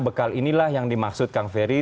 bekal inilah yang dimaksud kang ferry